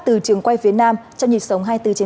từ trường quay phía nam trong dịp sống hai mươi bốn trên bảy